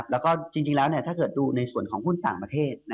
แล้วก็จริงแล้วถ้าเกิดดูในส่วนของหุ้นต่างประเทศ